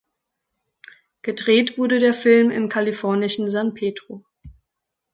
Gedreht wurde der Film im kalifornischen San Pedro.